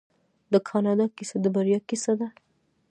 د کاناډا کیسه د بریا کیسه ده.